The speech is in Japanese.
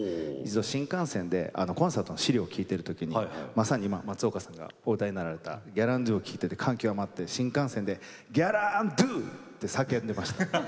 新幹線でコンサートの資料を聴いてる時にまさに今松岡さんがお歌いになられた「ギャランドゥ」を聴いてて感極まって新幹線で「ギャランドゥ！」って叫んでました。